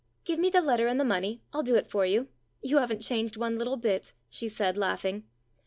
"Give me the letter and the money, I'll do it for you. You haven't changed one little bit," she said, laughing.